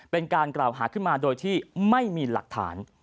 เป็นการกล่าวหาขึ้นมาโดยที่ไม่มีหลักฐาน